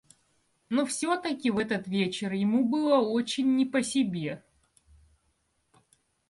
Но всё-таки в этот вечер ему было очень не по себе.